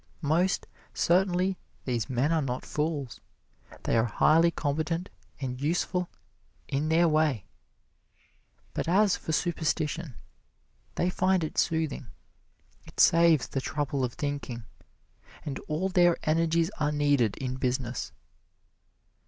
Most certainly these men are not fools they are highly competent and useful in their way. But as for superstition, they find it soothing; it saves the trouble of thinking, and all their energies are needed in business.